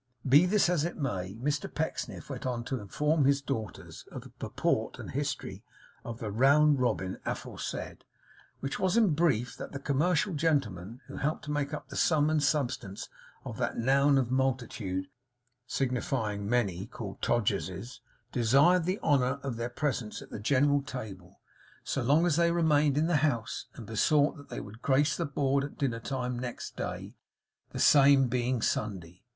Be this as it may, Mr Pecksniff went on to inform his daughters of the purport and history of the round robin aforesaid, which was in brief, that the commercial gentlemen who helped to make up the sum and substance of that noun of multitude signifying many, called Todgers's, desired the honour of their presence at the general table, so long as they remained in the house, and besought that they would grace the board at dinner time next day, the same being Sunday.